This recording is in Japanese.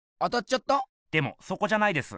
でもそこじゃないです。